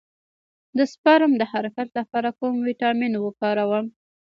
د سپرم د حرکت لپاره کوم ویټامین وکاروم؟